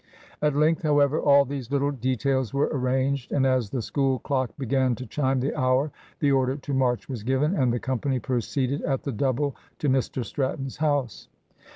At length, however, all these little details were arranged, and as the school clock began to chime the hour the order to march was given, and the company proceeded at the double to Mr Stratton's house.